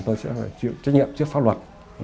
tôi sẽ chịu trách nhiệm trước pháp luật